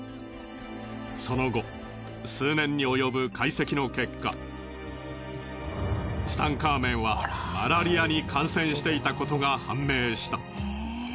その後数年に及ぶ解析の結果ツタンカーメンはマラリアに感染していたことが判明した。